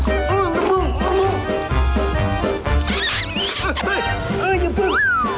อ้าวน้ำมึงน้ำมึง